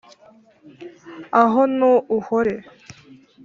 aho nu uhore,